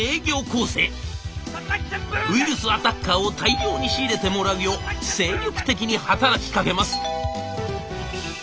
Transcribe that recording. ウィルスアタッカーを大量に仕入れてもらうよう精力的に働きかけます。